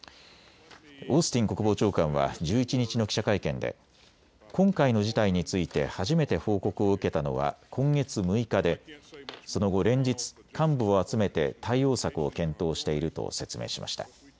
オースティン国防長官は１１日の記者会見で今回の事態について初めて報告を受けたのは今月６日でその後、連日、幹部を集めて対応策を検討していると説明しました。